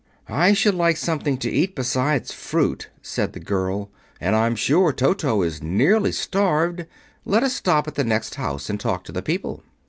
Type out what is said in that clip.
"I should like something to eat besides fruit," said the girl, "and I'm sure Toto is nearly starved. Let us stop at the next house and talk to the people."